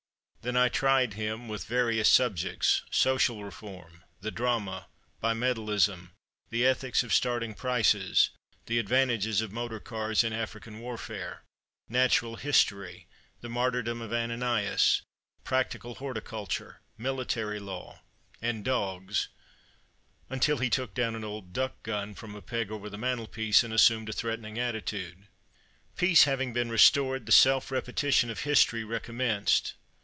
Then I tried him with various subjects social reform, the drama, bimetallism, the ethics of starting prices, the advantages of motor cars in African warfare, natural history, the martyrdom of Ananias, practical horticulture, military law, and dogs; until he took down an old duck gun from a peg over the mantelpiece, and assumed a threatening attitude. Peace having been restored, the self repetition of history recommenced.